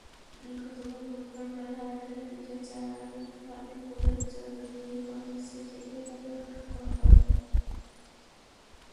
গতকাল বুধবার বেলা আড়াইটার দিকে চাঁনখারপুলের জনি ফার্মেসি থেকে তাঁদের আটক করা হয়।